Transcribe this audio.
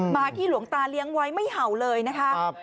หมาที่หลวงตาเลี้ยงไว้ไม่เห่าเลยนะคะ